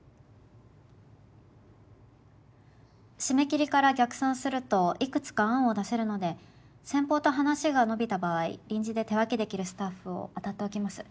締め切りから逆算するといくつか案を出せるので先方と話が延びた場合臨時で手分けできるスタッフを当たっておきます。